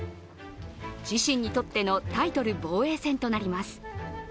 自身にとってのタイトル防衛戦となります。